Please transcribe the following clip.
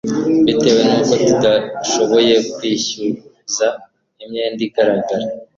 Bitewe nuko tudashoboye kwishyuza imyenda igaragara